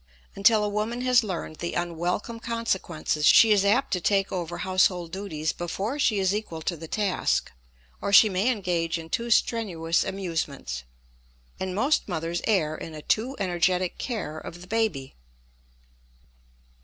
Until a woman has learned the unwelcome consequences she is apt to take over household duties before she is equal to the task, or she may engage in too strenuous amusements; and most mothers err in a too energetic care of the baby.